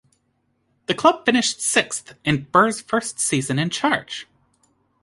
The club finished sixth in Burr's first season in charge.